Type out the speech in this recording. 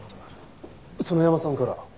園山さんから？